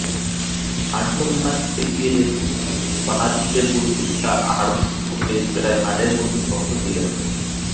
আঠারো মাস থেকে বাঁ-দিকের ফুসফুসটা আড়ষ্ট হয়ে প্রায় হাড়ের মতো শক্ত হয়ে গেছে।